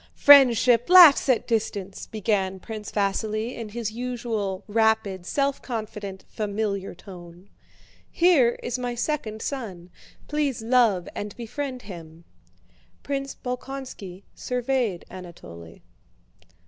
"Friendship laughs at distance," began Prince Vasíli in his usual rapid, self confident, familiar tone. "Here is my second son; please love and befriend him." Prince Bolkónski surveyed Anatole.